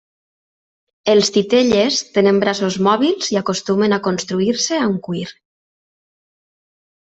Els titelles tenen braços mòbils i acostumen a construir-se amb cuir.